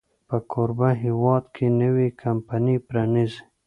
په کوربه هېواد کې نوې کمپني پرانیزي.